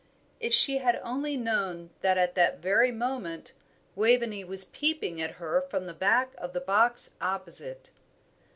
If she had only known that at that very moment Waveney was peeping at her from the back of the box opposite!